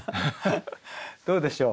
どうでしょう？